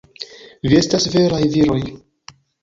Vi estas veraj viroj!